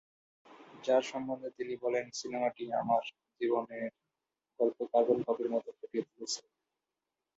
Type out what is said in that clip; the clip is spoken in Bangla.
যার সমন্ধে তিনি বলেন "সিনেমাটি আমার জীবনের গল্প কার্বন কপির মতো ফুটিয়ে তুলেছে"।